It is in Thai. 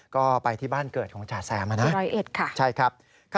ก็ไปที่บ้านเกิดของจ๋าแซมนะครับใช่ครับร้อยเอ็ดค่ะ